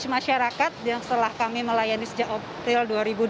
untuk merubah image masyarakat yang setelah kami melayani sejak oktril dua ribu dua puluh